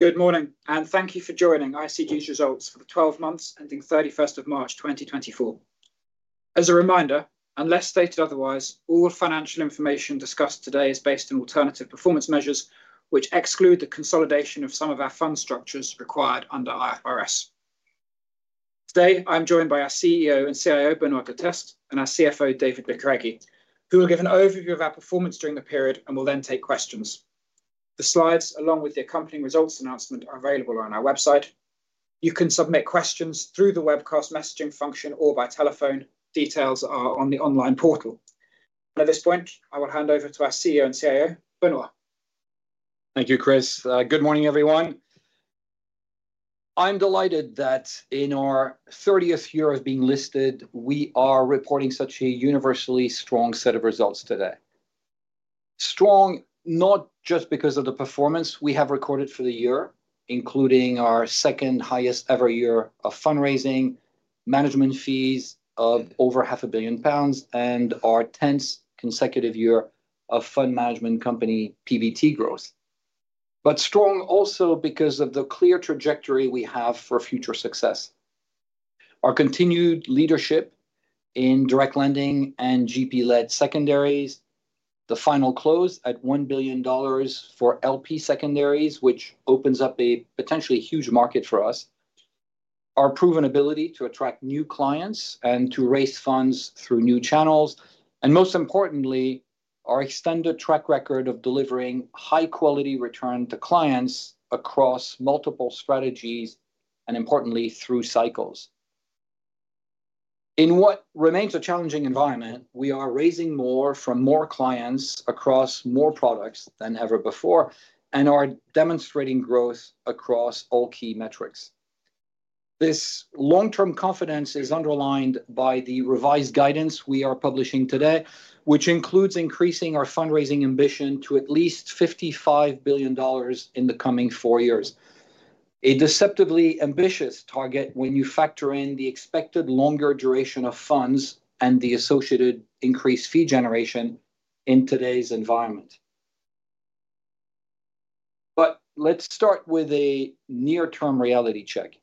Good morning, and thank you for joining ICG's results for the 12 months ending 31 March 2024. As a reminder, unless stated otherwise, all financial information discussed today is based on alternative performance measures, which exclude the consolidation of some of our fund structures required under IFRS. Today, I'm joined by our CEO and CIO, Benoît Durteste, and our CFO, David Bicarregui, who will give an overview of our performance during the period and will then take questions. The slides, along with the accompanying results announcement, are available on our website. You can submit questions through the webcast messaging function or by telephone. Details are on the online portal. At this point, I will hand over to our CEO and CIO, Benoît. Thank you, Chris. Good morning, everyone. I'm delighted that in our 30th year of being listed, we are reporting such a universally strong set of results today. Strong, not just because of the performance we have recorded for the year, including our second-highest-ever year of fundraising, management fees of over 500 million pounds, and our 10th consecutive year of fund management company PBT growth. But strong also because of the clear trajectory we have for future success. Our continued leadership in direct lending and GP-led Secondaries, the final close at $1 billion for LP Secondaries, which opens up a potentially huge market for us, our proven ability to attract new clients and to raise funds through new channels, and most importantly, our extended track record of delivering high-quality return to clients across multiple strategies and, importantly, through cycles. In what remains a challenging environment, we are raising more from more clients across more products than ever before and are demonstrating growth across all key metrics. This long-term confidence is underlined by the revised guidance we are publishing today, which includes increasing our fundraising ambition to at least $55 billion in the coming four years. A deceptively ambitious target when you factor in the expected longer duration of funds and the associated increased fee generation in today's environment. But let's start with a near-term reality check.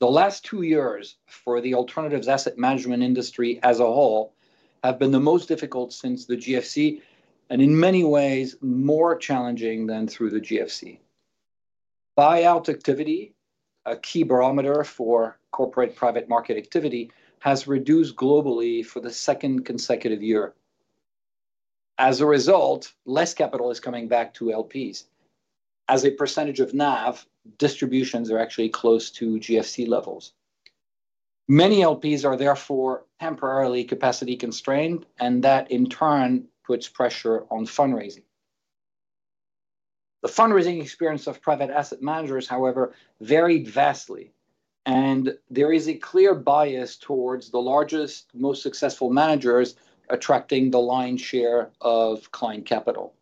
The last two years for the alternatives asset management industry as a whole have been the most difficult since the GFC, and in many ways, more challenging than through the GFC. Buyout activity, a key barometer for corporate private market activity, has reduced globally for the second consecutive year. As a result, less capital is coming back to LPs. As a percentage of NAV, distributions are actually close to GFC levels. Many LPs are therefore temporarily capacity constrained, and that, in turn, puts pressure on fundraising. The fundraising experience of private asset managers, however, varied vastly, and there is a clear bias towards the largest, most successful managers attracting the lion's share of client capital.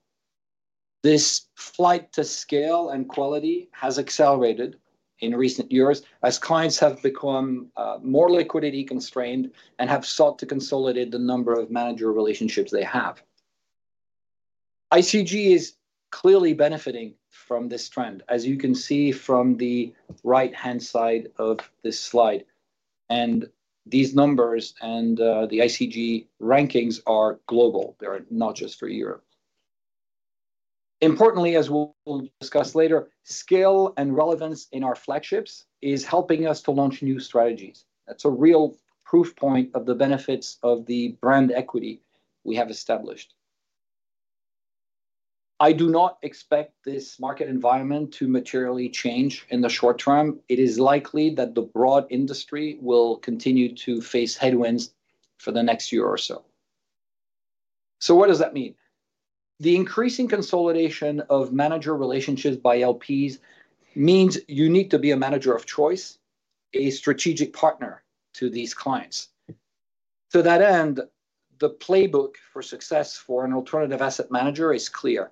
This flight to scale and quality has accelerated in recent years as clients have become more liquidity-constrained and have sought to consolidate the number of manager relationships they have. ICG is clearly benefiting from this trend, as you can see from the right-hand side of this slide, and these numbers and the ICG rankings are global. They are not just for Europe. Importantly, as we'll discuss later, scale and relevance in our flagships is helping us to launch new strategies. That's a real proof point of the benefits of the brand equity we have established. I do not expect this market environment to materially change in the short term. It is likely that the broad industry will continue to face headwinds for the next year or so. So what does that mean? The increasing consolidation of manager relationships by LPs means you need to be a manager of choice, a strategic partner to these clients. To that end, the playbook for success for an alternative asset manager is clear: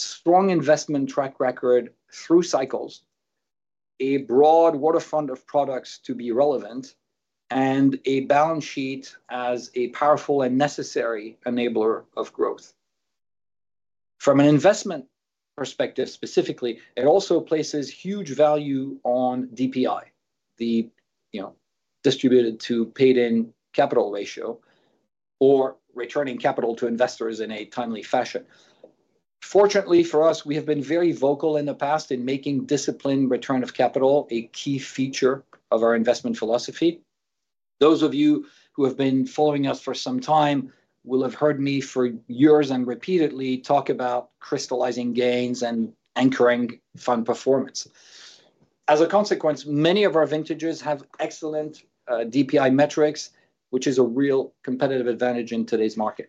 strong investment track record through cycles, a broad waterfront of products to be relevant, and a balance sheet as a powerful and necessary enabler of growth. From an investment perspective specifically, it also places huge value on DPI, the, you know, distributed to paid-in capital ratio, or returning capital to investors in a timely fashion. Fortunately for us, we have been very vocal in the past in making disciplined return of capital a key feature of our investment philosophy. Those of you who have been following us for some time will have heard me for years and repeatedly talk about crystallizing gains and anchoring fund performance. As a consequence, many of our vintages have excellent DPI metrics, which is a real competitive advantage in today's market.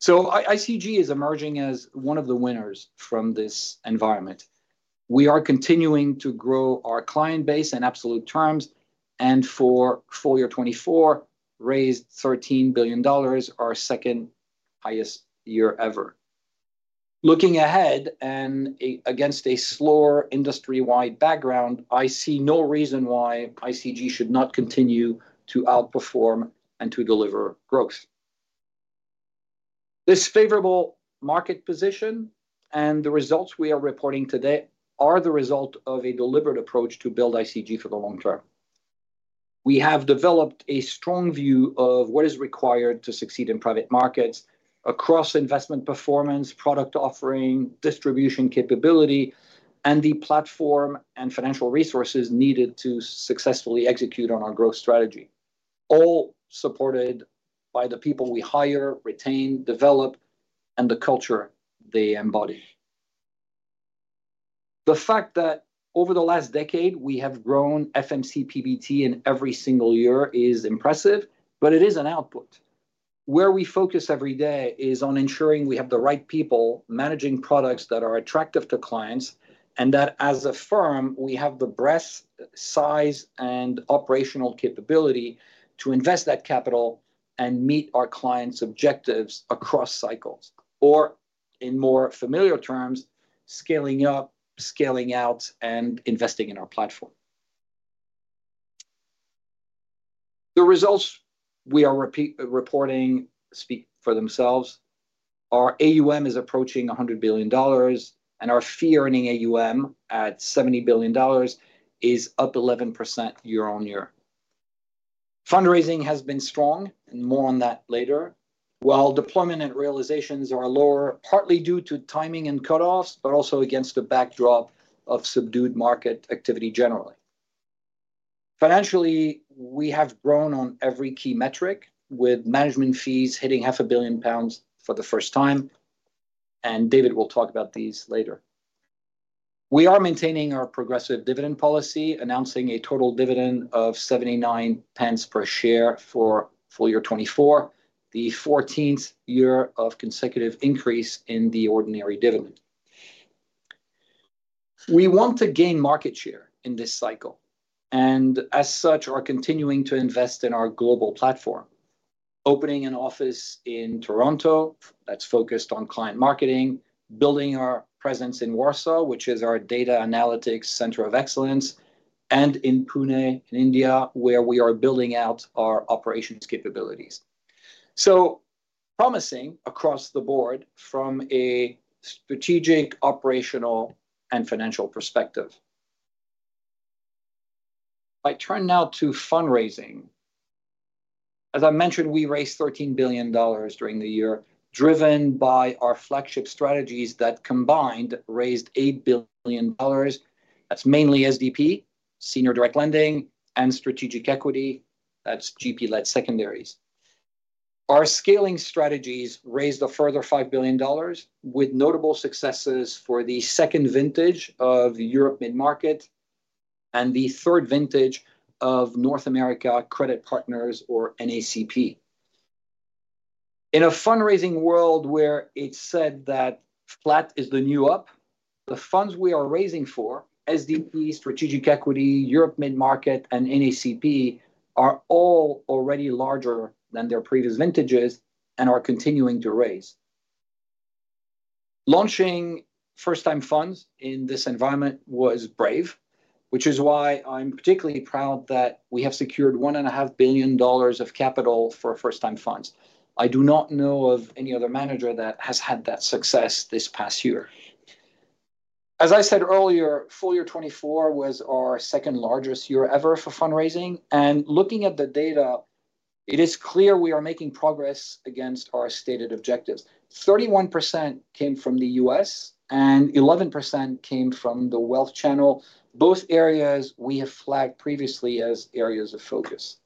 So ICG is emerging as one of the winners from this environment. We are continuing to grow our client base in absolute terms, and for full year 2024, raised $13 billion, our second highest year ever. Looking ahead and against a slower industry-wide background, I see no reason why ICG should not continue to outperform and to deliver growth.... This favorable market position and the results we are reporting today are the result of a deliberate approach to build ICG for the long term. We have developed a strong view of what is required to succeed in private markets across investment performance, product offering, distribution capability, and the platform and financial resources needed to successfully execute on our growth strategy, all supported by the people we hire, retain, develop, and the culture they embody. The fact that over the last decade we have grown FMC PBT in every single year is impressive, but it is an output. Where we focus every day is on ensuring we have the right people managing products that are attractive to clients, and that as a firm, we have the breadth, size, and operational capability to invest that capital and meet our clients' objectives across cycles, or in more familiar terms, scaling up, scaling out, and investing in our platform. The results we are reporting speak for themselves. Our AUM is approaching $100 billion, and our fee earning AUM at $70 billion is up 11% year-over-year. Fundraising has been strong, and more on that later. While deployment and realizations are lower, partly due to timing and cutoffs, but also against the backdrop of subdued market activity generally. Financially, we have grown on every key metric, with management fees hitting 500 million pounds for the first time, and David will talk about these later. We are maintaining our progressive dividend policy, announcing a total dividend of 0.79 per share for full year 2024, the 14th year of consecutive increase in the ordinary dividend. We want to gain market share in this cycle, and as such, are continuing to invest in our global platform. Opening an office in Toronto that's focused on client marketing, building our presence in Warsaw, which is our data analytics center of excellence, and in Pune, in India, where we are building out our operations capabilities. So promising across the board from a strategic, operational, and financial perspective. If I turn now to fundraising, as I mentioned, we raised $13 billion during the year, driven by our flagship strategies that combined raised $8 billion. That's mainly SDP, senior direct lending, and Strategic Equity, that's GP-led secondaries. Our scaling strategies raised a further $5 billion, with notable successes for the second vintage of Europe Mid-Market and the third vintage of North American Credit Partners, or NACP. In a fundraising world where it's said that flat is the new up, the funds we are raising for SDP, Strategic Equity, Europe Mid-Market, and NACP are all already larger than their previous vintages and are continuing to raise. Launching first-time funds in this environment was brave, which is why I'm particularly proud that we have secured $1.5 billion of capital for first-time funds. I do not know of any other manager that has had that success this past year. As I said earlier, full year 2024 was our second largest year ever for fundraising, and looking at the data, it is clear we are making progress against our stated objectives. 31% came from the US, and 11% came from the wealth channel, both areas we have flagged previously as areas of focus.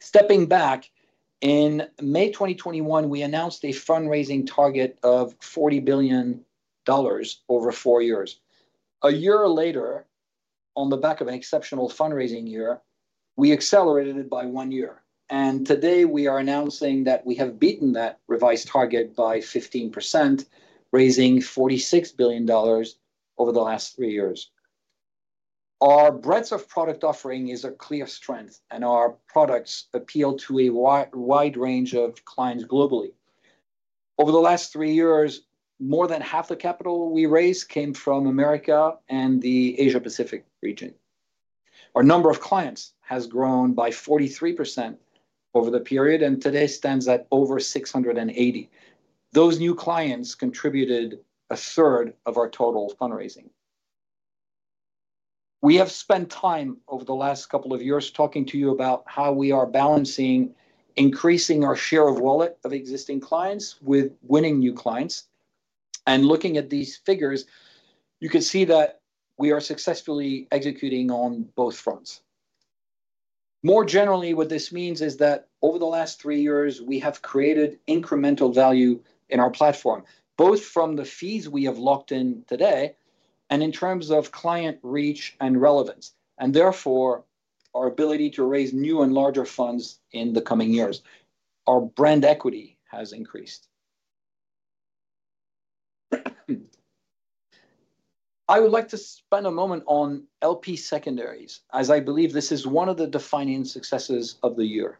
Stepping back, in May 2021, we announced a fundraising target of $40 billion over four years. A year later, on the back of an exceptional fundraising year, we accelerated it by one year, and today, we are announcing that we have beaten that revised target by 15%, raising $46 billion over the last three years. Our breadth of product offering is a clear strength, and our products appeal to a wide range of clients globally. Over the last three years, more than half the capital we raised came from America and the Asia Pacific region. Our number of clients has grown by 43% over the period, and today stands at over 680. Those new clients contributed a third of our total fundraising. We have spent time over the last couple of years talking to you about how we are balancing increasing our share of wallet of existing clients with winning new clients, and looking at these figures, you can see that we are successfully executing on both fronts. More generally, what this means is that over the last three years, we have created incremental value in our platform, both from the fees we have locked in today and in terms of client reach and relevance, and therefore, our ability to raise new and larger funds in the coming years. Our brand equity has increased. I would like to spend a moment on LP Secondaries, as I believe this is one of the defining successes of the year.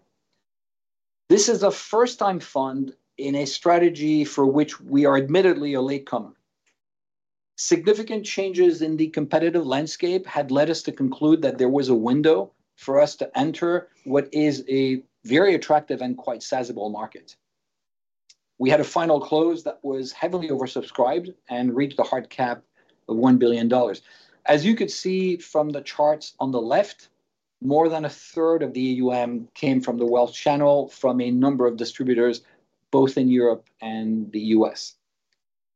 This is a first-time fund in a strategy for which we are admittedly a latecomer... Significant changes in the competitive landscape had led us to conclude that there was a window for us to enter what is a very attractive and quite sizable market. We had a final close that was heavily oversubscribed and reached the hard cap of $1 billion. As you could see from the charts on the left, more than a third of the AUM came from the wealth channel from a number of distributors, both in Europe and the U.S.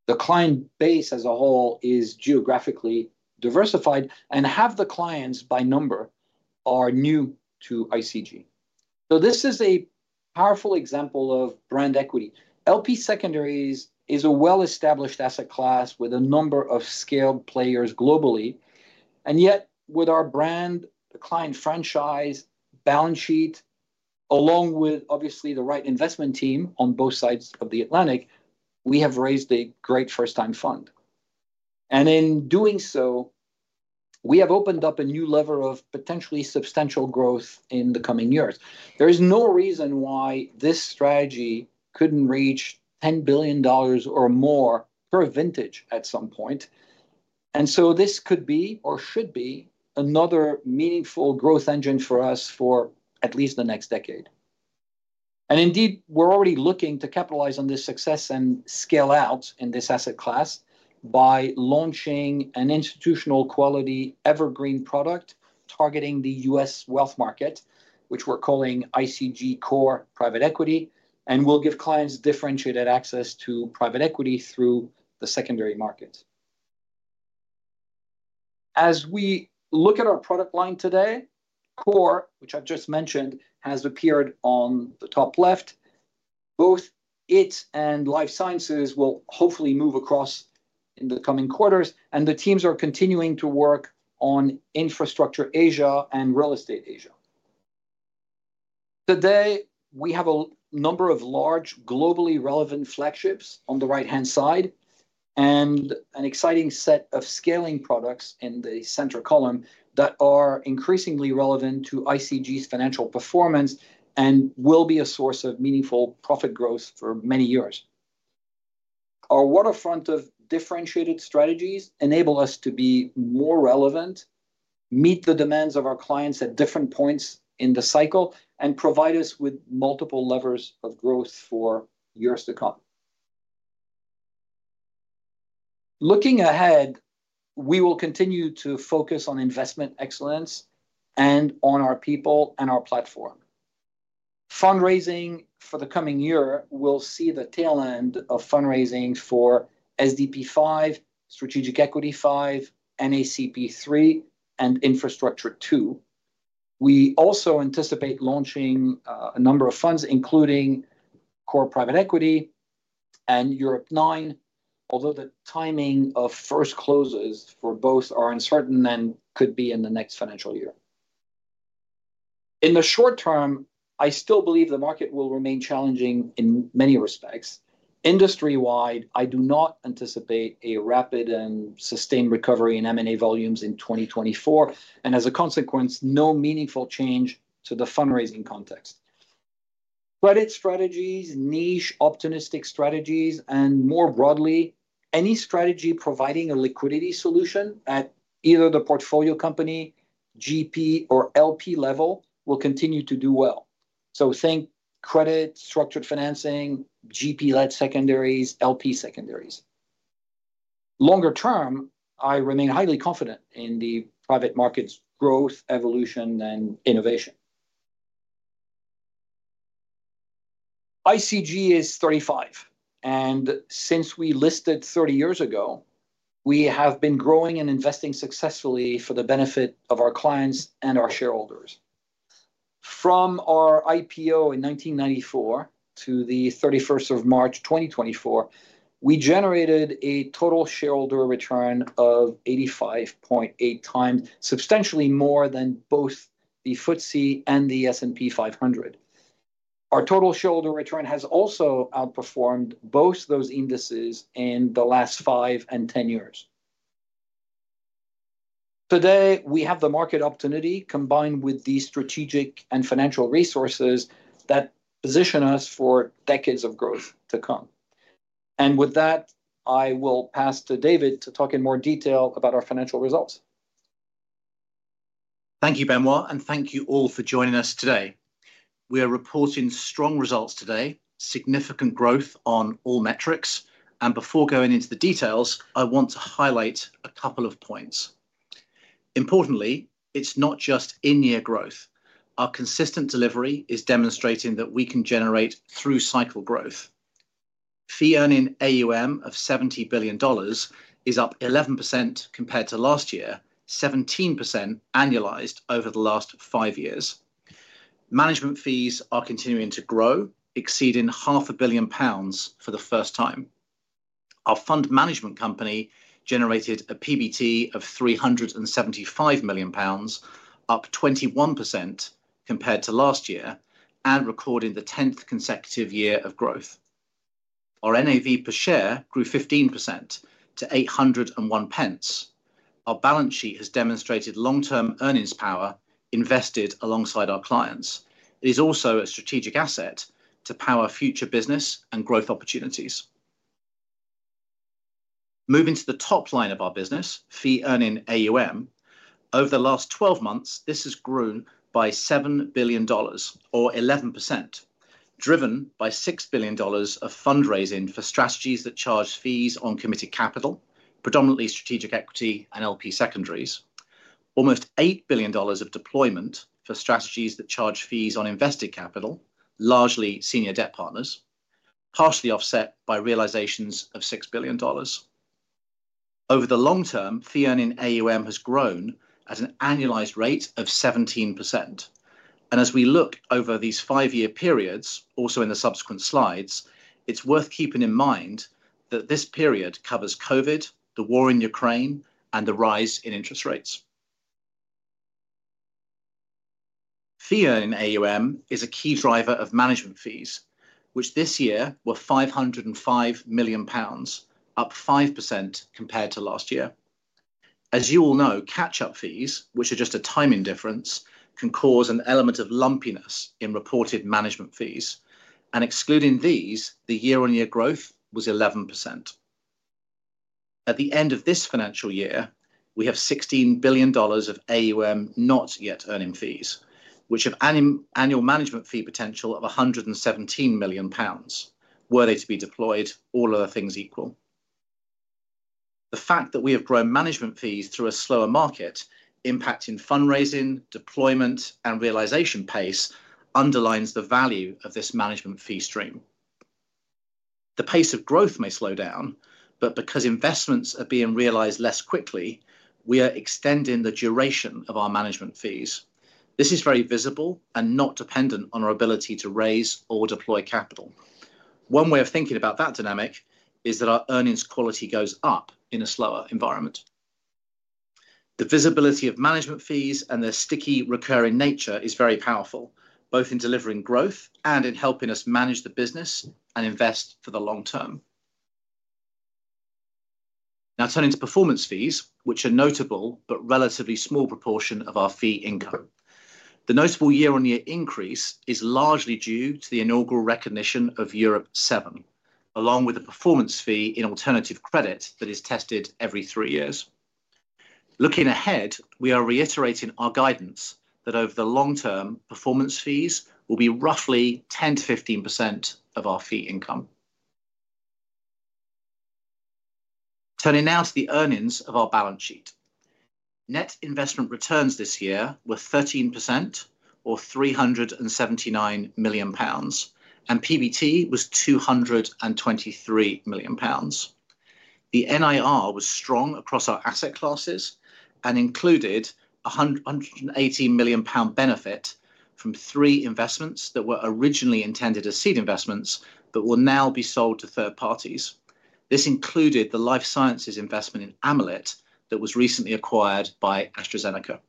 The client base as a whole is geographically diversified, and half the clients by number are new to ICG. So this is a powerful example of brand equity. LP Secondaries is a well-established asset class with a number of scaled players globally, and yet, with our brand, the client franchise, balance sheet, along with obviously the right investment team on both sides of the Atlantic, we have raised a great first-time fund. In doing so, we have opened up a new level of potentially substantial growth in the coming years. There is no reason why this strategy couldn't reach $10 billion or more per vintage at some point, and so this could be or should be another meaningful growth engine for us for at least the next decade. Indeed, we're already looking to capitalize on this success and scale out in this asset class by launching an institutional quality evergreen product targeting the U.S. wealth market, which we're calling ICG Core Private Equity, and will give clients differentiated access to private equity through the secondary market. As we look at our product line today, Core, which I've just mentioned, has appeared on the top left. Both it and Life Sciences will hopefully move across in the coming quarters, and the teams are continuing to work on Infrastructure Asia and Real Estate Asia. Today, we have a number of large, globally relevant flagships on the right-hand side, and an exciting set of scaling products in the center column that are increasingly relevant to ICG's financial performance and will be a source of meaningful profit growth for many years. Our waterfront of differentiated strategies enable us to be more relevant, meet the demands of our clients at different points in the cycle, and provide us with multiple levers of growth for years to come. Looking ahead, we will continue to focus on investment excellence and on our people and our platform. Fundraising for the coming year will see the tail end of fundraising for SDP V, Strategic Equity V, NACP III, and Infrastructure II. We also anticipate launching a number of funds, including Core Private Equity and Europe IX, although the timing of first closes for both are uncertain and could be in the next financial year. In the short term, I still believe the market will remain challenging in many respects. Industry-wide, I do not anticipate a rapid and sustained recovery in M&A volumes in 2024, and as a consequence, no meaningful change to the fundraising context. But its strategies, niche, optimistic strategies, and more broadly, any strategy providing a liquidity solution at either the portfolio company, GP, or LP level, will continue to do well. So think credit, structured financing, GP-led secondaries, LP secondaries. Longer term, I remain highly confident in the private markets growth, evolution, and innovation. ICG is 35, and since we listed 30 years ago, we have been growing and investing successfully for the benefit of our clients and our shareholders. From our IPO in 1994 to the 31st of March 2024, we generated a total shareholder return of 85.8x, substantially more than both the FTSE and the S&P 500. Our total shareholder return has also outperformed both those indices in the last 5 and 10 years. Today, we have the market opportunity, combined with the strategic and financial resources, that position us for decades of growth to come. With that, I will pass to David to talk in more detail about our financial results. Thank you, Benoît, and thank you all for joining us today. We are reporting strong results today, significant growth on all metrics, and before going into the details, I want to highlight a couple of points. Importantly, it's not just in-year growth. Our consistent delivery is demonstrating that we can generate through-cycle growth. Fee earning AUM of $70 billion is up 11% compared to last year, 17% annualized over the last 5 years. Management fees are continuing to grow, exceeding 500 million pounds for the first time. Our fund management company generated a PBT of 375 million pounds, up 21% compared to last year, and recorded the 10th consecutive year of growth. Our NAV per share grew 15% to 801 pence. Our balance sheet has demonstrated long-term earnings power invested alongside our clients. It is also a strategic asset to power future business and growth opportunities. Moving to the top line of our business, fee-earning AUM, over the last 12 months, this has grown by $7 billion, or 11%, driven by $6 billion of fundraising for strategies that charge fees on committed capital, predominantly Strategic Equity and LP Secondaries. Almost $8 billion of deployment for strategies that charge fees on invested capital, largely Senior Debt Partners, partially offset by realizations of $6 billion. Over the long term, fee-earning AUM has grown at an annualized rate of 17%. As we look over these 5-year periods, also in the subsequent slides, it's worth keeping in mind that this period covers COVID, the war in Ukraine, and the rise in interest rates. Fee earning AUM is a key driver of management fees, which this year were 505 million pounds, up 5% compared to last year. As you all know, catch-up fees, which are just a timing difference, can cause an element of lumpiness in reported management fees, and excluding these, the year-on-year growth was 11%. At the end of this financial year, we have $16 billion of AUM not yet earning fees, which have annual management fee potential of 117 million pounds, were they to be deployed, all other things equal. The fact that we have grown management fees through a slower market, impacting fundraising, deployment, and realization pace, underlines the value of this management fee stream. The pace of growth may slow down, but because investments are being realized less quickly, we are extending the duration of our management fees. This is very visible and not dependent on our ability to raise or deploy capital. One way of thinking about that dynamic is that our earnings quality goes up in a slower environment. The visibility of management fees and their sticky, recurring nature is very powerful, both in delivering growth and in helping us manage the business and invest for the long term. Now, turning to performance fees, which are notable, but relatively small proportion of our fee income. The notable year-on-year increase is largely due to the inaugural recognition of Europe VII, along with the performance fee in Alternative Credit that is tested every three years. Looking ahead, we are reiterating our guidance that over the long term, performance fees will be roughly 10%-15% of our fee income. Turning now to the earnings of our balance sheet. Net investment returns this year were 13%, or 379 million pounds, and PBT was 223 million pounds. The NIR was strong across our asset classes and included a hundred and eighteen million pound benefit from three investments that were originally intended as seed investments, but will now be sold to third parties. This included the life sciences investment in Amolyt that was recently acquired by AstraZeneca.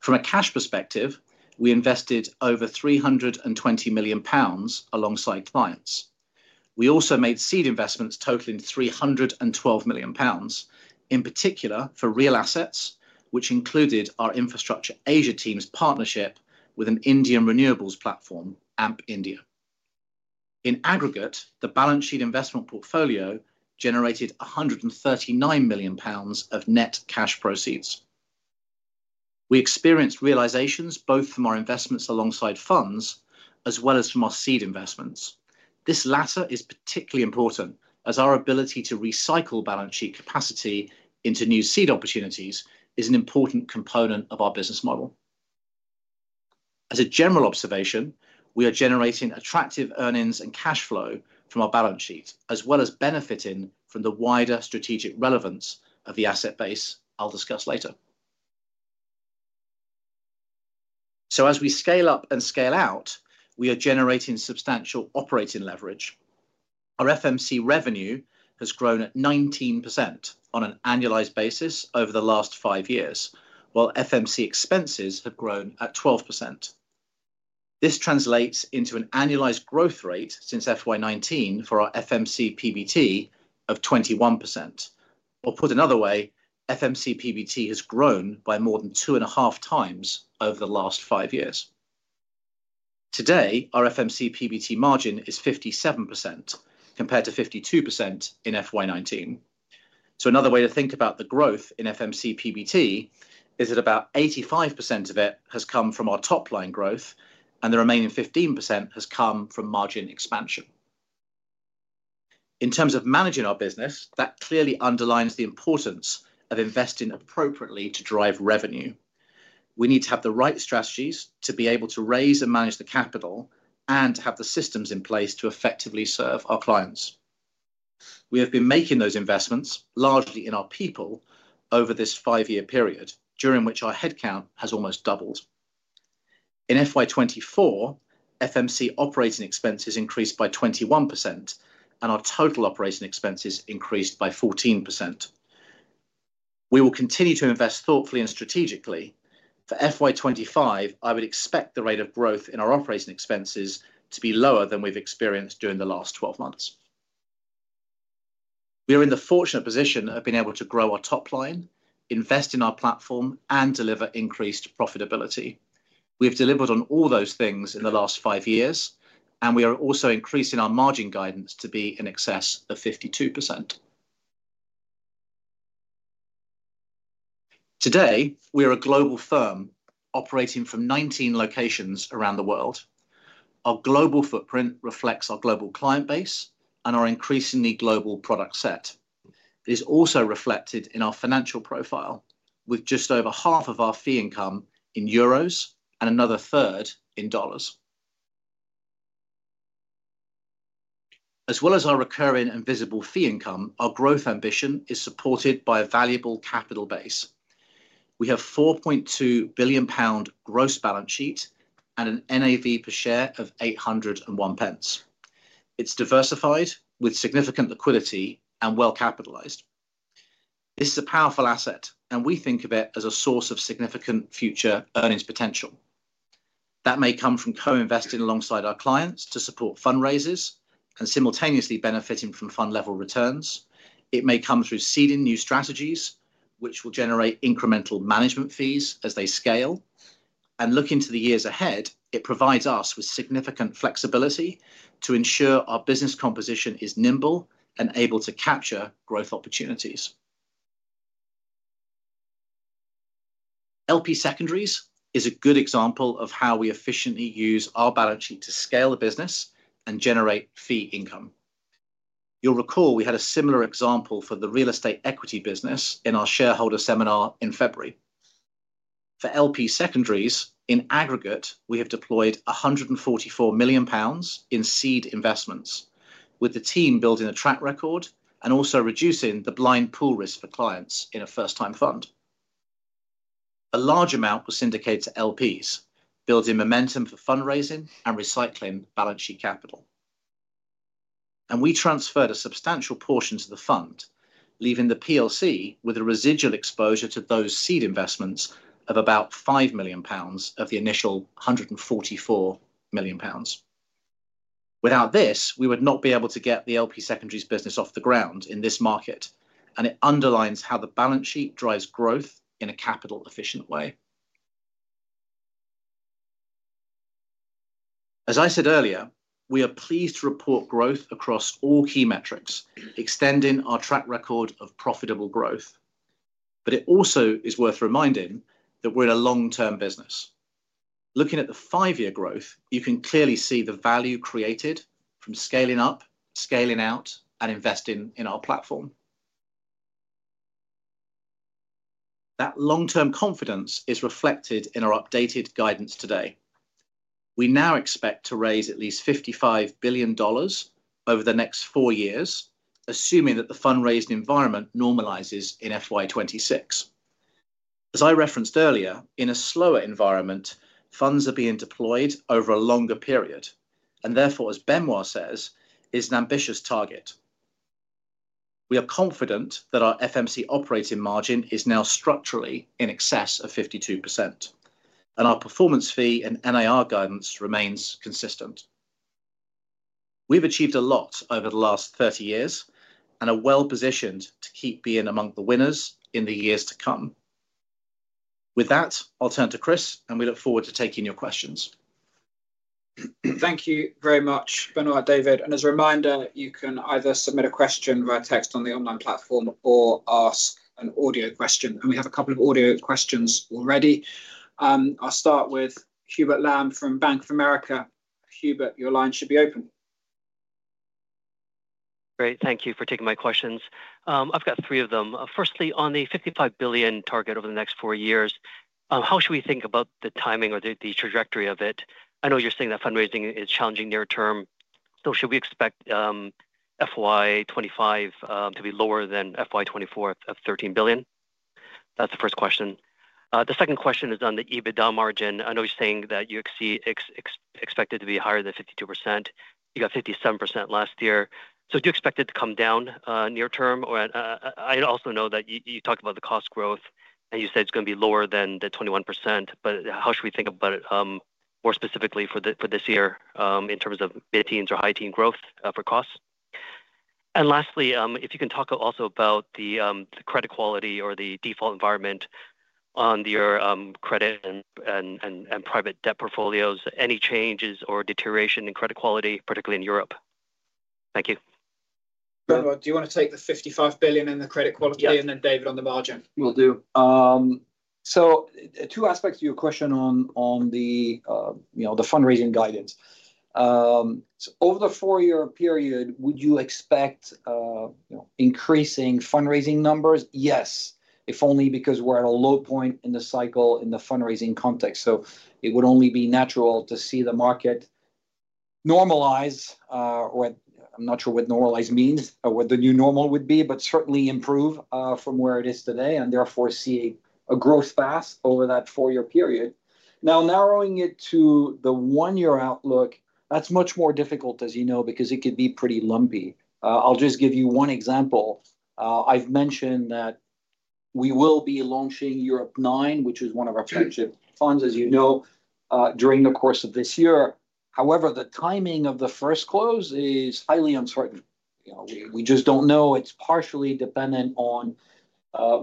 From a cash perspective, we invested over 320 million pounds alongside clients. We also made seed investments totaling 312 million pounds, in particular for real assets, which included our infrastructure Asia team's partnership with an Indian renewables platform, Amp India. In aggregate, the balance sheet investment portfolio generated 139 million pounds of net cash proceeds. We experienced realizations both from our investments alongside funds, as well as from our seed investments. This latter is particularly important, as our ability to recycle balance sheet capacity into new seed opportunities is an important component of our business model. As a general observation, we are generating attractive earnings and cash flow from our balance sheet, as well as benefiting from the wider strategic relevance of the asset base I'll discuss later. So as we scale up and scale out, we are generating substantial operating leverage. Our FMC revenue has grown at 19% on an annualized basis over the last five years, while FMC expenses have grown at 12%. This translates into an annualized growth rate since FY 2019 for our FMC PBT of 21%. Or put another way, FMC PBT has grown by more than 2.5 times over the last five years. Today, our FMC PBT margin is 57%, compared to 52% in FY 2019. So another way to think about the growth in FMC PBT is that about 85% of it has come from our top-line growth, and the remaining 15% has come from margin expansion. In terms of managing our business, that clearly underlines the importance of investing appropriately to drive revenue. We need to have the right strategies to be able to raise and manage the capital and have the systems in place to effectively serve our clients. We have been making those investments, largely in our people, over this 5-year period, during which our headcount has almost doubled. In FY 2024, FMC operating expenses increased by 21%, and our total operating expenses increased by 14%. We will continue to invest thoughtfully and strategically. For FY 2025, I would expect the rate of growth in our operating expenses to be lower than we've experienced during the last 12 months.... We are in the fortunate position of being able to grow our top line, invest in our platform, and deliver increased profitability. We have delivered on all those things in the last 5 years, and we are also increasing our margin guidance to be in excess of 52%. Today, we are a global firm operating from 19 locations around the world. Our global footprint reflects our global client base and our increasingly global product set. It is also reflected in our financial profile, with just over half of our fee income in euros and another third in dollars. As well as our recurring and visible fee income, our growth ambition is supported by a valuable capital base. We have 4.2 billion pound gross balance sheet and an NAV per share of 8.01. It's diversified with significant liquidity and well-capitalized. This is a powerful asset, and we think of it as a source of significant future earnings potential. That may come from co-investing alongside our clients to support fundraisers and simultaneously benefiting from fund level returns. It may come through seeding new strategies, which will generate incremental management fees as they scale. Looking to the years ahead, it provides us with significant flexibility to ensure our business composition is nimble and able to capture growth opportunities. LP Secondaries is a good example of how we efficiently use our balance sheet to scale the business and generate fee income. You'll recall, we had a similar example for the real estate equity business in our shareholder seminar in February. For LP Secondaries, in aggregate, we have deployed 144 million pounds in seed investments, with the team building a track record and also reducing the blind pool risk for clients in a first-time fund. A large amount was syndicated to LPs, building momentum for fundraising and recycling balance sheet capital. And we transferred a substantial portion to the fund, leaving the PLC with a residual exposure to those seed investments of about 5 million pounds, of the initial 144 million pounds. Without this, we would not be able to get the LP Secondaries business off the ground in this market, and it underlines how the balance sheet drives growth in a capital-efficient way. As I said earlier, we are pleased to report growth across all key metrics, extending our track record of profitable growth. But it also is worth reminding that we're a long-term business. Looking at the five-year growth, you can clearly see the value created from scaling up, scaling out, and investing in our platform. That long-term confidence is reflected in our updated guidance today. We now expect to raise at least $55 billion over the next four years, assuming that the fundraising environment normalizes in FY 2026. As I referenced earlier, in a slower environment, funds are being deployed over a longer period, and therefore, as Benoît says, it's an ambitious target. We are confident that our FMC operating margin is now structurally in excess of 52%, and our performance fee and NIR guidance remains consistent. We've achieved a lot over the last 30 years and are well-positioned to keep being among the winners in the years to come. With that, I'll turn to Chris, and we look forward to taking your questions. Thank you very much, Benoît, David, and as a reminder, you can either submit a question via text on the online platform or ask an audio question, and we have a couple of audio questions already. I'll start with Hubert Lam from Bank of America. Hubert, your line should be open. Great. Thank you for taking my questions. I've got three of them. Firstly, on the $55 billion target over the next four years, how should we think about the timing or the trajectory of it? I know you're saying that fundraising is challenging near term, so should we expect FY 2025 to be lower than FY 2024 of 13 billion? That's the first question. The second question is on the EBITDA margin. I know you're saying that you expect it expected to be higher than 52%. You got 57% last year. So do you expect it to come down near term? Or, I also know that you talked about the cost growth, and you said it's gonna be lower than the 21%, but how should we think about it, more specifically for this year, in terms of mid-teens or high-teen growth, for costs? And lastly, if you can talk also about the credit quality or the default environment on your credit and private debt portfolios, any changes or deterioration in credit quality, particularly in Europe? Thank you. Benoît, do you want to take the $55 billion and the credit quality- Yes. and then David on the margin? Will do. So two aspects to your question on, on the, you know, the fundraising guidance. So over the four-year period, would you expect, you know, increasing fundraising numbers? Yes, if only because we're at a low point in the cycle in the fundraising context. So it would only be natural to see the market normalize. Or I'm not sure what normalize means or what the new normal would be, but certainly improve, from where it is today, and therefore, see a growth path over that four-year period. Now, narrowing it to the one-year outlook, that's much more difficult, as you know, because it could be pretty lumpy. I'll just give you one example. I've mentioned that-... We will be launching Europe IX, which is one of our flagship funds, as you know, during the course of this year. However, the timing of the first close is highly uncertain. You know, we just don't know. It's partially dependent on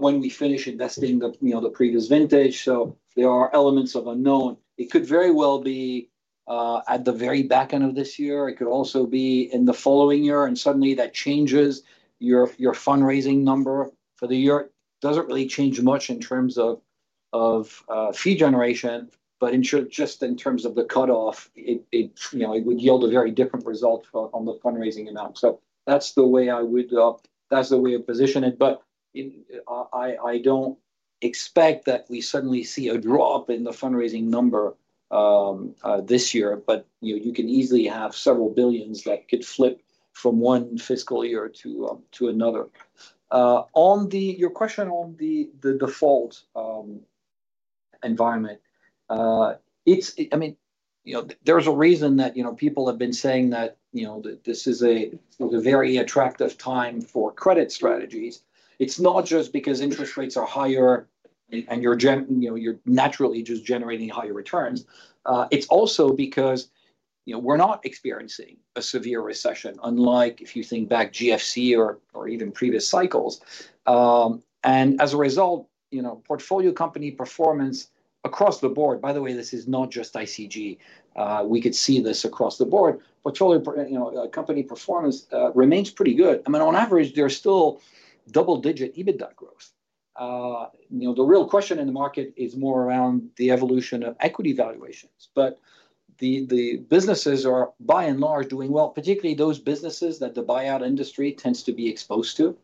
when we finish investing the, you know, the previous vintage, so there are elements of unknown. It could very well be at the very back end of this year. It could also be in the following year, and suddenly that changes your fundraising number for the year. Doesn't really change much in terms of fee generation, but just in terms of the cutoff, it, you know, it would yield a very different result on the fundraising amount. So that's the way I would... That's the way to position it, but I don't expect that we suddenly see a drop in the fundraising number this year. But you can easily have several billion USD that could flip from one fiscal year to another. On your question on the default environment, it's, I mean, you know, there's a reason that, you know, people have been saying that, you know, that this is a very attractive time for credit strategies. It's not just because interest rates are higher, and you're, you know, you're naturally just generating higher returns. It's also because, you know, we're not experiencing a severe recession, unlike if you think back GFC or even previous cycles. And as a result, you know, portfolio company performance across the board... By the way, this is not just ICG. We could see this across the board. Portfolio, you know, company performance remains pretty good. I mean, on average, there are still double-digit EBITDA growth. You know, the real question in the market is more around the evolution of equity valuations, but the businesses are, by and large, doing well, particularly those businesses that the buyout industry tends to be exposed to,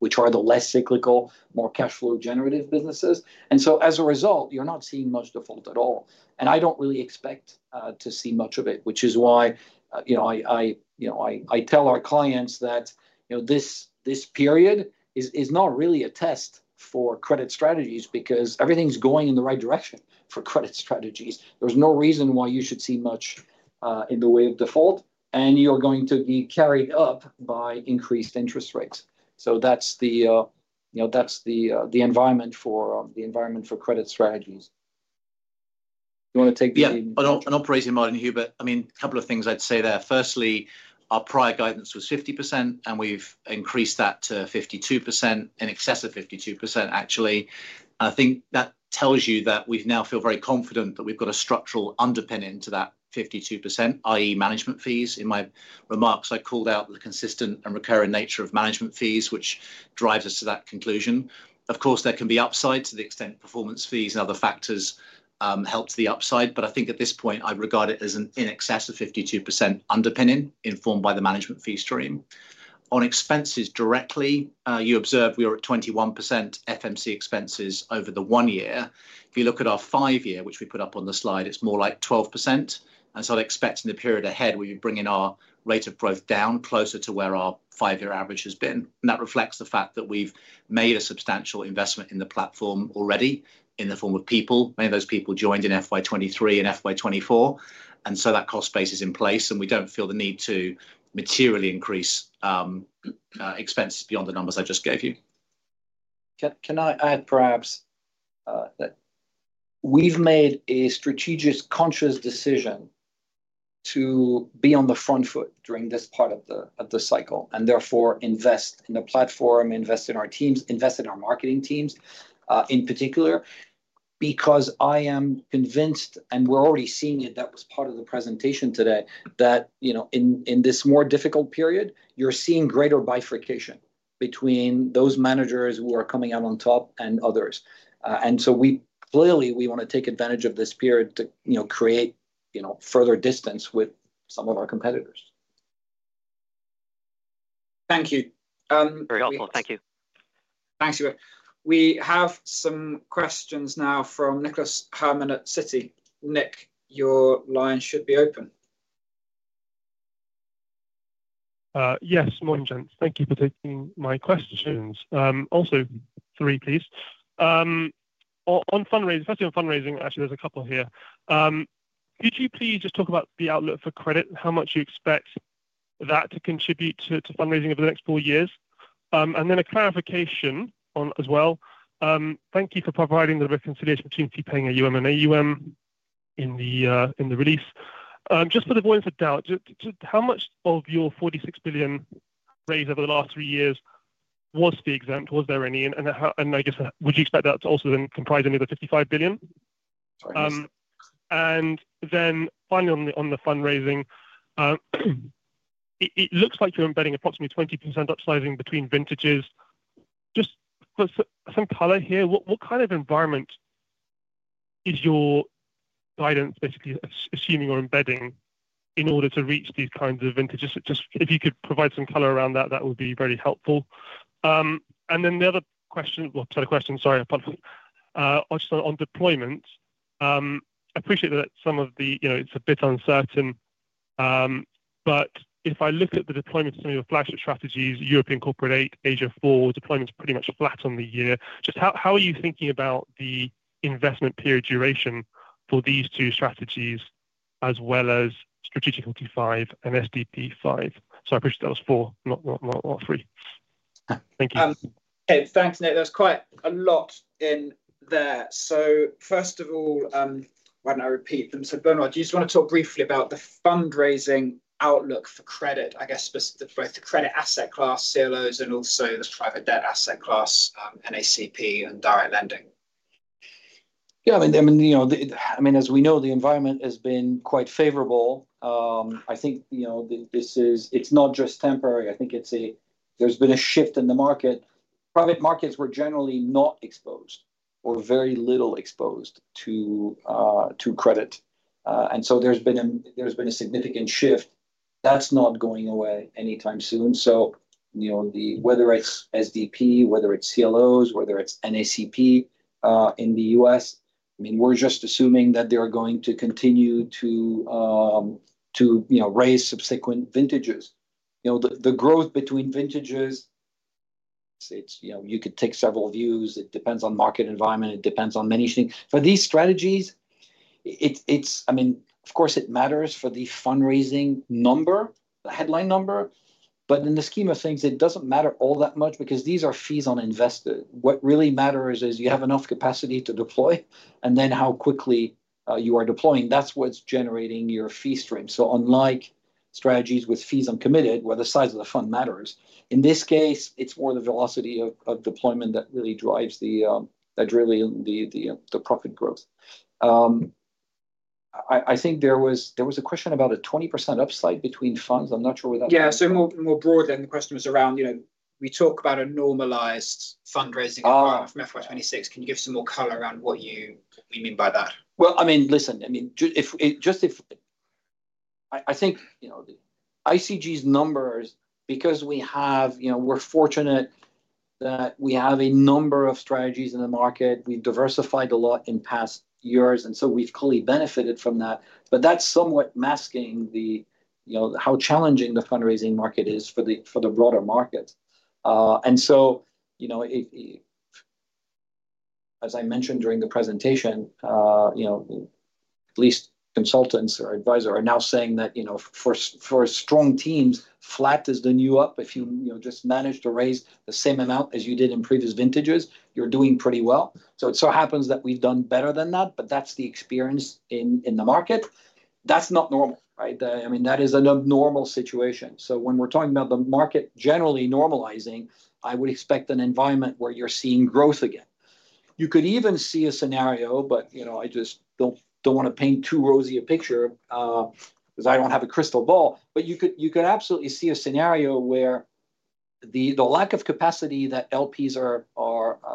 which are the less cyclical, more cash flow generative businesses. And so, as a result, you're not seeing much default at all, and I don't really expect to see much of it, which is why, you know, I tell our clients that, you know, this period is not really a test for credit strategies because everything's going in the right direction for credit strategies. There's no reason why you should see much, in the way of default, and you're going to be carried up by increased interest rates. So that's the, you know, that's the, the environment for credit strategies. Do you want to take the- Yeah. On operating margin, Hubert, I mean, a couple of things I'd say there. Firstly, our prior guidance was 50%, and we've increased that to 52%, in excess of 52%, actually. I think that tells you that we now feel very confident that we've got a structural underpinning to that 52%, i.e., management fees. In my remarks, I called out the consistent and recurring nature of management fees, which drives us to that conclusion. Of course, there can be upside to the extent performance fees and other factors helps the upside, but I think at this point I'd regard it as an in excess of 52% underpinning, informed by the management fee stream. On expenses directly, you observed we are at 21% FMC expenses over the one year. If you look at our five-year, which we put up on the slide, it's more like 12%, and so I'd expect in the period ahead, we bring in our rate of growth down closer to where our five-year average has been. And that reflects the fact that we've made a substantial investment in the platform already in the form of people. Many of those people joined in FY 2023 and FY 2024, and so that cost base is in place, and we don't feel the need to materially increase expenses beyond the numbers I just gave you. Can I add perhaps that we've made a strategic, conscious decision to be on the front foot during this part of the cycle, and therefore, invest in the platform, invest in our teams, invest in our marketing teams, in particular, because I am convinced, and we're already seeing it, that was part of the presentation today, that, you know, in this more difficult period, you're seeing greater bifurcation between those managers who are coming out on top and others. And so we clearly wanna take advantage of this period to, you know, create, you know, further distance with some of our competitors. Thank you. Very helpful. Thank you. Thanks, Hubert. We have some questions now from Nicholas Harman at Citi. Nick, your line should be open. Yes. Morning, gents. Thank you for taking my questions. Also three, please. On fundraising—firstly, on fundraising. Actually, there's a couple here. Could you please just talk about the outlook for credit, and how much you expect that to contribute to fundraising over the next four years? And then a clarification on—as well. Thank you for providing the reconciliation between keeping AUM and AUM in the release. Just for the avoidance of doubt, just how much of your 46 billion raised over the last three years was fee exempt? Was there any, and how, and I guess, would you expect that to also then comprise any of the 55 billion? And then finally, on the fundraising, it looks like you're embedding approximately 20% up sizing between vintages. Just put some color here, what kind of environment is your guidance basically assuming or embedding in order to reach these kinds of vintages? Just if you could provide some color around that, that would be very helpful. And then the other question. Well, to the question, sorry, I apologize. Also on deployment, I appreciate that some of the—you know, it's a bit uncertain—but if I look at the deployment, some of the flagship strategies, European Corporate VIII, Asia IV, deployment's pretty much flat on the year. Just how are you thinking about the investment period duration for these two strategies? as well as Strategic Equity V and SDP V. So I appreciate that was 4, not three. Thank you. Okay, thanks, Nick. There's quite a lot in there. So first of all, why don't I repeat them? So, Benoît, do you just wanna talk briefly about the fundraising outlook for credit, I guess, specific to both the credit asset class, CLOs, and also the private debt asset class, NACP and direct lending? Yeah, I mean, I mean, you know, the, I mean, as we know, the environment has been quite favorable. I think, you know, this is—it's not just temporary. I think it's a, there's been a shift in the market. Private markets were generally not exposed or very little exposed to, to credit. And so there's been a significant shift that's not going away anytime soon. So, you know, the—whether it's SDP, whether it's CLOs, whether it's NACP, in the U.S., I mean, we're just assuming that they're going to continue to, to, you know, raise subsequent vintages. You know, the growth between vintages, it's, you know, you could take several views. It depends on market environment, it depends on many things. For these strategies, it's, I mean, of course, it matters for the fundraising number, the headline number, but in the scheme of things, it doesn't matter all that much because these are fees on invested. What really matters is you have enough capacity to deploy, and then how quickly you are deploying, that's what's generating your fee stream. So unlike strategies with fees uncommitted, where the size of the fund matters, in this case, it's more the velocity of deployment that really drives the profit growth. I think there was a question about a 20% upside between funds. I'm not sure where that- Yeah. So more broadly, then the question was around, you know, we talk about a normalized fundraising- Ah! - environment from FY 26. Can you give some more color around what you mean by that? Well, I mean, listen, I mean, if... I think, you know, ICG's numbers, because we have, you know, we're fortunate that we have a number of strategies in the market. We've diversified a lot in past years, and so we've clearly benefited from that. But that's somewhat masking the, you know, how challenging the fundraising market is for the broader market. And so, you know, as I mentioned during the presentation, you know, at least consultants or advisor are now saying that, you know, for strong teams, flat is the new up. If you, you know, just managed to raise the same amount as you did in previous vintages, you're doing pretty well. So it so happens that we've done better than that, but that's the experience in the market. That's not normal, right? I mean, that is an abnormal situation. So when we're talking about the market generally normalizing, I would expect an environment where you're seeing growth again. You could even see a scenario, but, you know, I just don't wanna paint too rosy a picture, 'cause I don't have a crystal ball. But you could absolutely see a scenario where the lack of capacity that LPs are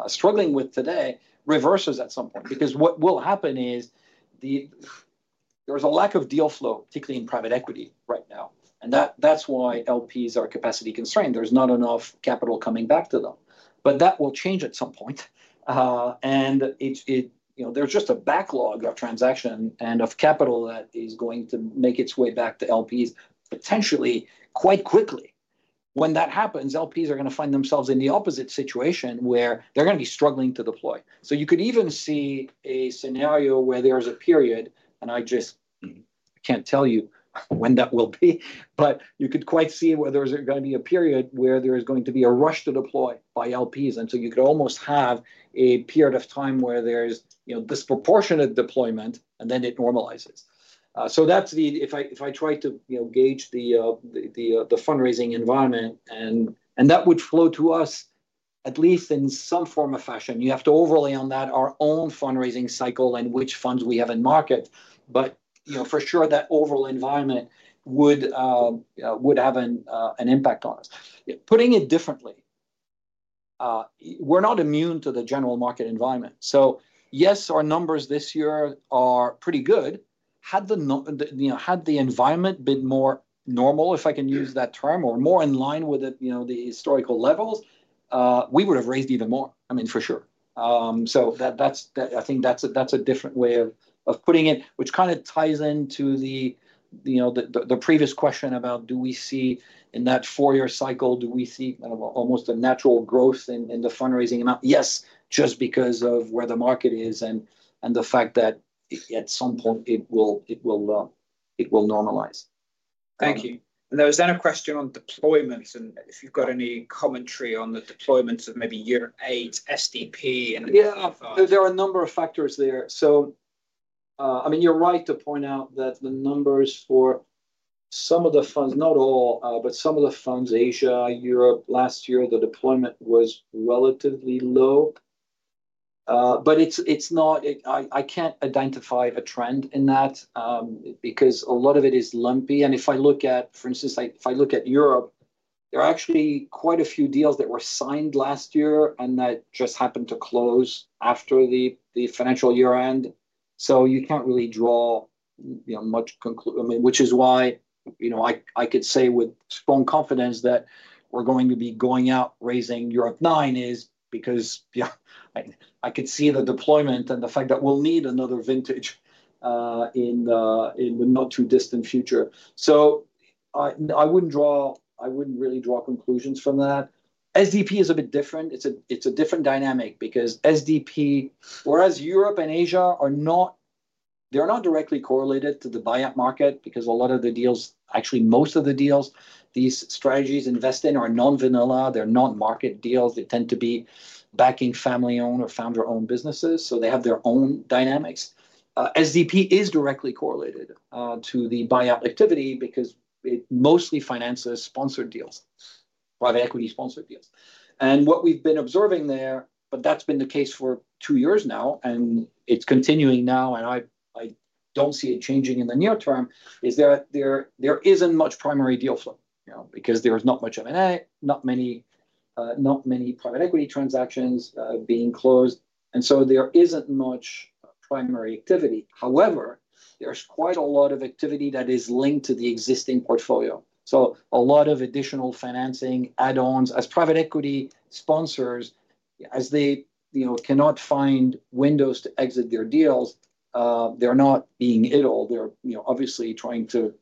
struggling with today reverses at some point. Because what will happen is, there is a lack of deal flow, particularly in private equity right now, and that's why LPs are capacity constrained. There's not enough capital coming back to them. But that will change at some point, and it... You know, there's just a backlog of transaction and of capital that is going to make its way back to LPs, potentially quite quickly. When that happens, LPs are gonna find themselves in the opposite situation, where they're gonna be struggling to deploy. So you could even see a scenario where there is a period, and I just can't tell you when that will be, but you could quite see where there is gonna be a period where there is going to be a rush to deploy by LPs, and so you could almost have a period of time where there is, you know, disproportionate deployment, and then it normalizes. So that's the if I, if I try to, you know, gauge the, the, the fundraising environment, and, and that would flow to us, at least in some form or fashion. You have to overlay on that our own fundraising cycle and which funds we have in market. But, you know, for sure, that overall environment would have an impact on us. Putting it differently, we're not immune to the general market environment. So yes, our numbers this year are pretty good. You know, had the environment been more normal, if I can use that term, or more in line with the, you know, the historical levels, we would have raised even more, I mean, for sure. So that, that's, that, I think that's a, that's a different way of, of putting it, which kind of ties into the, you know, the, the previous question about, do we see, in that four-year cycle, do we see almost a natural growth in, in the fundraising amount? Yes, just because of where the market is and the fact that at some point, it will normalize. Thank you. There was then a question on deployments, and if you've got any commentary on the deployments of maybe year eight, SDP, and- Yeah, there are a number of factors there. So, I mean, you're right to point out that the numbers for some of the funds, not all, but some of the funds, Asia, Europe, last year, the deployment was relatively low. But it's not, I can't identify a trend in that, because a lot of it is lumpy. And if I look at, for instance, like if I look at Europe, there are actually quite a few deals that were signed last year and that just happened to close after the financial year end. So you can't really draw, you know, much conclu... I mean, which is why, you know, I could say with strong confidence that we're going to be going out raising Europe nine is because, yeah, I could see the deployment and the fact that we'll need another vintage in the not too distant future. So I wouldn't draw. I wouldn't really draw conclusions from that. SDP is a bit different. It's a different dynamic because SDP, whereas Europe and Asia are not - they're not directly correlated to the buyout market because a lot of the deals, actually, most of the deals these strategies invest in, are non-vanilla. They're not market deals. They tend to be backing family-owned or founder-owned businesses, so they have their own dynamics. SDP is directly correlated to the buyout activity because it mostly finances sponsored deals, private equity-sponsored deals. And what we've been observing there, but that's been the case for two years now, and it's continuing now, and I don't see it changing in the near term, is, there isn't much primary deal flow, you know, because there is not much M&A, not many, not many private equity transactions being closed, and so there isn't much primary activity. However, there's quite a lot of activity that is linked to the existing portfolio. So a lot of additional financing add-ons as private equity sponsors, as they, you know, cannot find windows to exit their deals, they're not being idle. They're, you know, obviously trying to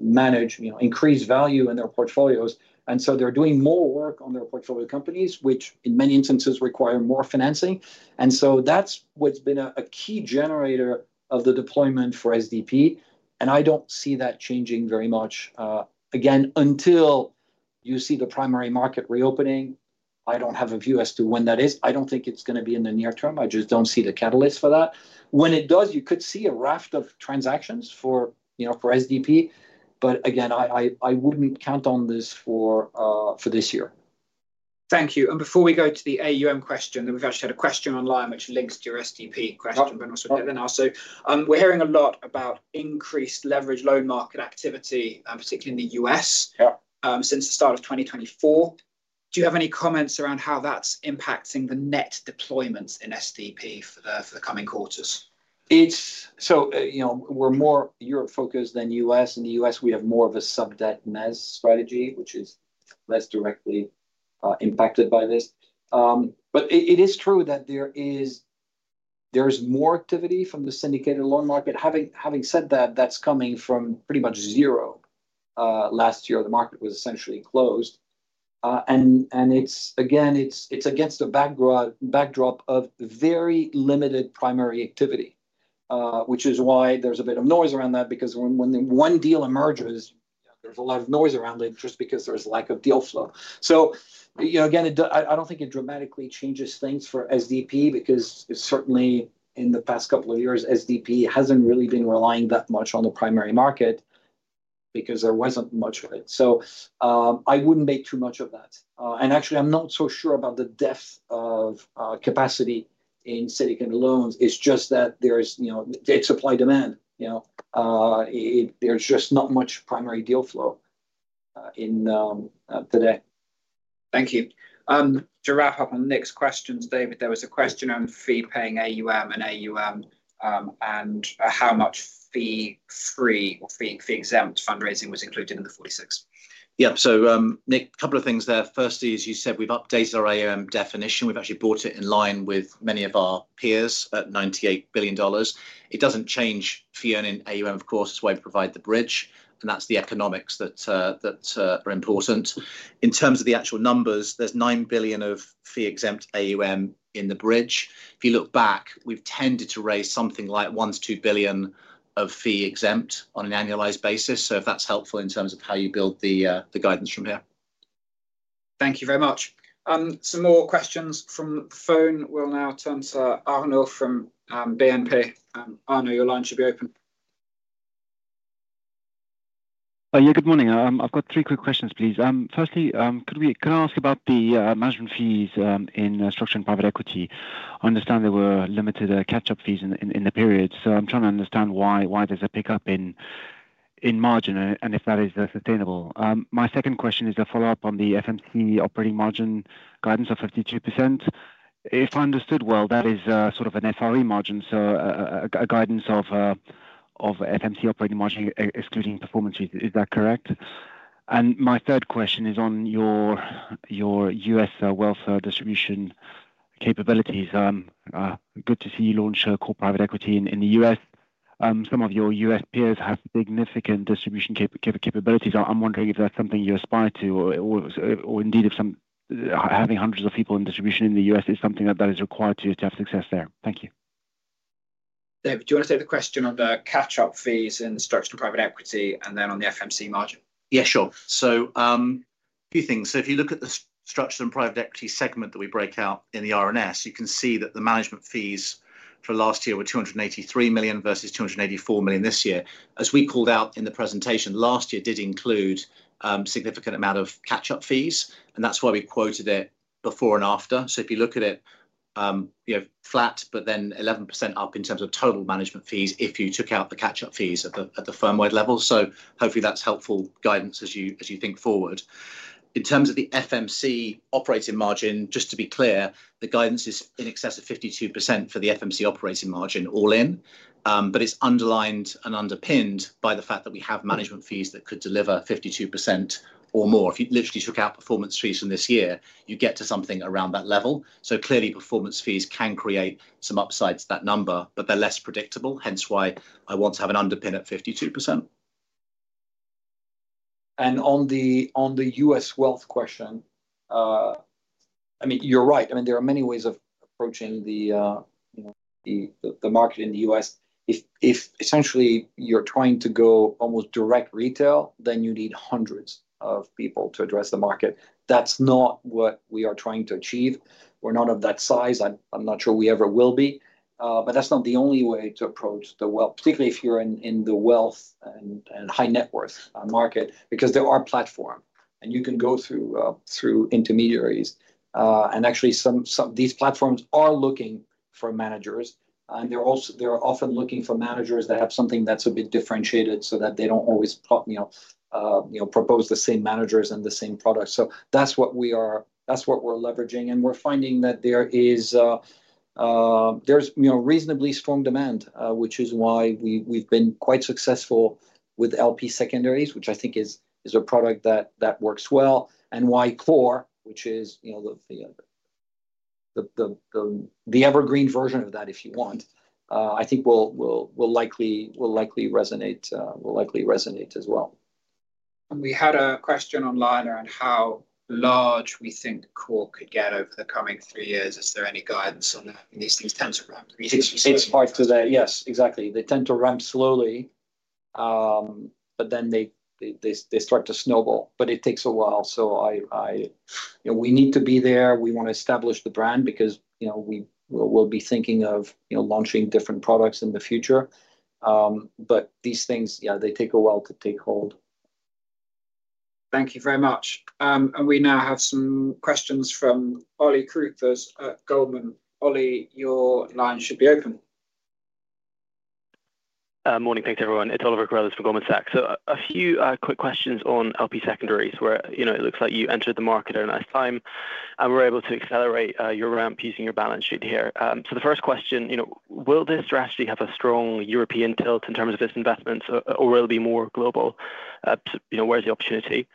manage, you know, increased value in their portfolios. And so they're doing more work on their portfolio companies, which in many instances require more financing. And so that's what's been a key generator of the deployment for SDP, and I don't see that changing very much, again, until you see the primary market reopening. I don't have a view as to when that is. I don't think it's gonna be in the near term. I just don't see the catalyst for that. When it does, you could see a raft of transactions for, you know, for SDP, but again, I wouldn't count on this for this year. Thank you. Before we go to the AUM question, then we've actually had a question online which links to your SDP question- Yep. -but also. We're hearing a lot about increased leveraged loan market activity, particularly in the U.S.- Yeah... since the start of 2024. Do you have any comments around how that's impacting the net deployments in SDP for the coming quarters? So, you know, we're more Europe-focused than U.S. In the U.S., we have more of a sub-debt mezz strategy, which is less directly impacted by this. But it is true that there is more activity from the syndicated loan market. Having said that, that's coming from pretty much zero. Last year, the market was essentially closed, and it's again, it's against a backdrop of very limited primary activity, which is why there's a bit of noise around that, because when the one deal emerges, there's a lot of noise around it just because there's lack of deal flow. So, you know, again, I, I don't think it dramatically changes things for SDP because certainly in the past couple of years, SDP hasn't really been relying that much on the primary market because there wasn't much of it. So, I wouldn't make too much of that. And actually, I'm not so sure about the depth of capacity in syndicated loans. It's just that there's, you know, it's supply, demand, you know. There's just not much primary deal flow in today. Thank you. To wrap up on Nick's questions, David, there was a question on fee-paying AUM and AUM, and how much fee-free or fee, fee-exempt fundraising was included in the 46. Yep. So, Nick, a couple of things there. Firstly, as you said, we've updated our AUM definition. We've actually brought it in line with many of our peers at $98 billion. It doesn't change fee-earning AUM, of course. It's why we provide the bridge, and that's the economics that are important. In terms of the actual numbers, there's $9 billion of fee-exempt AUM in the bridge. If you look back, we've tended to raise something like $1 billion-$2 billion of fee-exempt on an annualized basis. So if that's helpful in terms of how you build the guidance from here. Thank you very much. Some more questions from the phone. We'll now turn to Arnaud from BNP. Arnaud, your line should be open. Yeah, good morning. I've got three quick questions, please. Firstly, can I ask about the management fees in Structured Private Equity? I understand there were limited catch-up fees in the period, so I'm trying to understand why there's a pickup in margin and if that is sustainable. My second question is a follow-up on the FMC operating margin guidance of 52%. If I understood well, that is sort of an FRE margin, so a guidance of FMC operating margin excluding performance. Is that correct? And my third question is on your US wealth distribution capabilities. Good to see you launch a Core Private Equity in the US. Some of your US peers have significant distribution capabilities. I'm wondering if that's something you aspire to, or indeed, if having hundreds of people in distribution in the U.S. is something that is required to have success there. Thank you. David, do you want to take the question on the catch-up fees in Structured Private Equity and then on the FMC margin? Yeah, sure. So, a few things. So if you look at the Structured and Private Equity segment that we break out in the RNS, you can see that the management fees for last year were 283 million versus 284 million this year. As we called out in the presentation, last year did include, significant amount of catch-up fees, and that's why we quoted it before and after. So if you look at it, you know, flat, but then 11% up in terms of total management fees if you took out the catch-up fees at the firm-wide level. So hopefully, that's helpful guidance as you think forward. In terms of the FMC operating margin, just to be clear, the guidance is in excess of 52% for the FMC operating margin, all in. But it's underlined and underpinned by the fact that we have management fees that could deliver 52% or more. If you literally took out performance fees from this year, you get to something around that level. So clearly, performance fees can create some upsides to that number, but they're less predictable, hence why I want to have an underpin at 52%. And on the, on the US wealth question, I mean, you're right. I mean, there are many ways of approaching the, you know, the market in the US. If essentially you're trying to go almost direct retail, then you need hundreds of people to address the market. That's not what we are trying to achieve. We're not of that size. I'm not sure we ever will be. But that's not the only way to approach the wealth, particularly if you're in the wealth and high net worth market, because there are platform, and you can go through through intermediaries. And actually, some, some... These platforms are looking for managers, and they're also they're often looking for managers that have something that's a bit differentiated, so that they don't always you know, you know, propose the same managers and the same products. So that's what we're leveraging, and we're finding that there is, there's, you know, reasonably strong demand, which is why we've been quite successful with LP Secondaries, which I think is a product that works well, and why Core, which is, you know, the evergreen version of that, if you want, I think will likely resonate as well. We had a question online around how large we think Core could get over the coming three years. Is there any guidance on that? These things tend to ramp pretty- It's hard to... Yes, exactly. They tend to ramp slowly, but then they start to snowball, but it takes a while, so I... You know, we need to be there. We want to establish the brand because, you know, we, we'll be thinking of, you know, launching different products in the future. But these things, yeah, they take a while to take hold. Thank you very much. We now have some questions from Ollie Carruthers at Goldman. Ollie, your line should be open. Morning. Thanks, everyone. It's Oliver Carruthers from Goldman Sachs. So a few quick questions on LP Secondaries, where, you know, it looks like you entered the market at a nice time, and were able to accelerate your ramp using your balance sheet here. So the first question, you know, will this strategy have a strong European tilt in terms of its investments, or will it be more global? You know, where's the opportunity?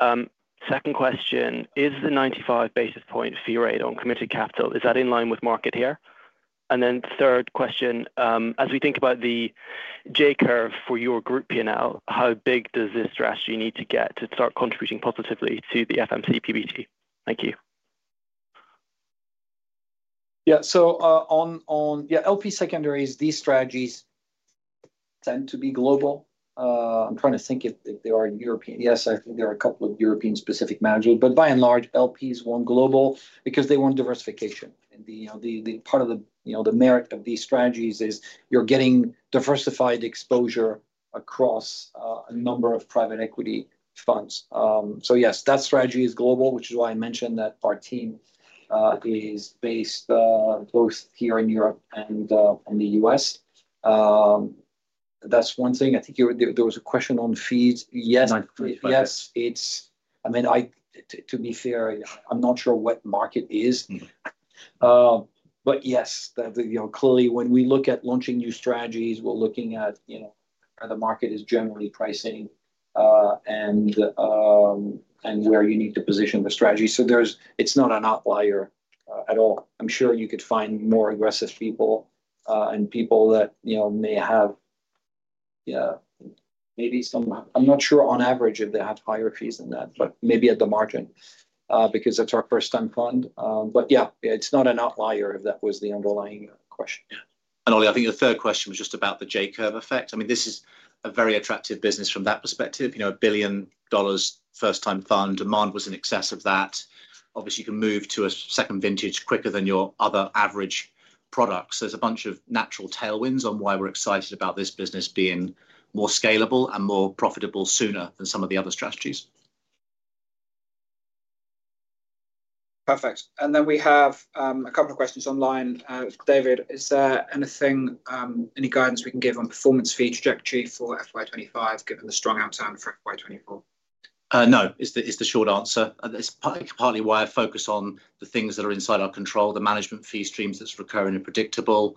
Second question: Is the 95 basis point fee rate on committed capital in line with market here? And then third question: As we think about the J-curve for your group P&L, how big does this strategy need to get to start contributing positively to the FMC PBT? Thank you. Yeah. So, LP Secondaries, these strategies tend to be global. I'm trying to think if they are European. Yes, I think there are a couple of European-specific managers, but by and large, LPs want global because they want diversification. And the, you know, part of the, you know, merit of these strategies is you're getting diversified exposure across a number of private equity funds. So yes, that strategy is global, which is why I mentioned that our team is based both here in Europe and in the U.S. That's one thing. I think there was a question on fees. Yes- Nine- Yes, it's... I mean, to be fair, I'm not sure what market is. Mm-hmm. But yes, you know, clearly, when we look at launching new strategies, we're looking at, you know, where the market is generally pricing, and Yeah and where you need to position the strategy. So there's... It's not an outlier at all. I'm sure you could find more aggressive people, and people that, you know, may have, yeah, maybe some... I'm not sure on average if they have higher fees than that, but maybe at the margin, because that's our first time fund. But yeah, yeah, it's not an outlier, if that was the underlying question. Yeah. And, Ollie, I think the third question was just about the J-curve effect. I mean, this is a very attractive business from that perspective. You know, $1 billion, first-time fund. Demand was in excess of that. Obviously, you can move to a second vintage quicker than your other average products. There's a bunch of natural tailwinds on why we're excited about this business being more scalable and more profitable sooner than some of the other strategies. Perfect. And then we have a couple of questions online. David, is there anything, any guidance we can give on performance fee trajectory for FY 25, given the strong outturn for FY 24? No, is the short answer. And it's partly why I focus on the things that are inside our control, the management fee streams that's recurring and predictable.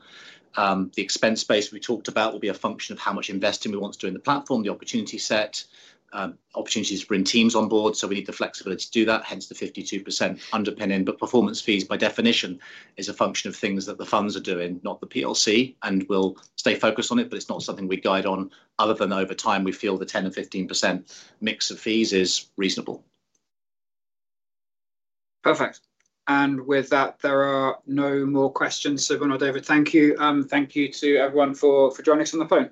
The expense base we talked about will be a function of how much investing we want to do in the platform, the opportunity set, opportunities to bring teams on board, so we need the flexibility to do that, hence the 52% underpinning. But performance fees, by definition, is a function of things that the funds are doing, not the PLC, and we'll stay focused on it, but it's not something we guide on, other than over time, we feel the 10% and 15% mix of fees is reasonable. Perfect. With that, there are no more questions. Benoît and David, thank you. Thank you to everyone for joining us on the phone.